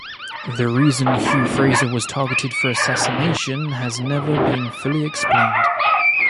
The reason Hugh Fraser was targeted for assassination has never been fully explained.